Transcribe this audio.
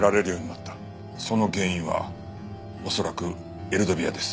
その原因は恐らくエルドビアです。